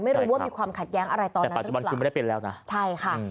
ไม่รู้ว่ามีความขัดแย้งอะไรตอนนี้แต่ปัจจุบันคือไม่ได้เป็นแล้วนะใช่ค่ะ